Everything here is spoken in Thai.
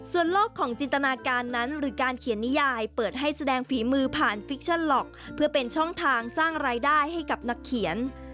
ส่วนโลกของจินตนาการนั้นหรือการเขียนนิยายเปิดให้แสดงฝีมือผ่านฟิกชั่นล็อกเพื่อเป็นช่องทางสร้างรายได้ให้กับนักเขียน